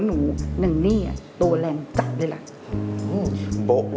สามารถรับชมได้ทุกวัย